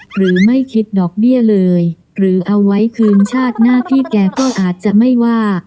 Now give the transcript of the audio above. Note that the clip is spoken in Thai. หรือไม่คิดดอกเบี้ยเลยหรือเอาไว้คืนชาติหน้าพี่แกก็อาจจะไม่ว่า